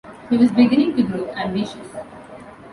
He was beginning to grow ambitious.